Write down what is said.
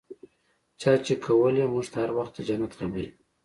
چا چې کولې موږ ته هر وخت د جنت خبرې.